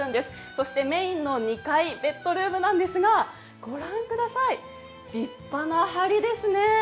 そしてメインの２階、ベッドルームなんですが、ご覧ください、立派なはりですね。